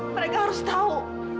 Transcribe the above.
mereka harus tahu